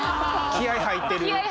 気合い入ってる。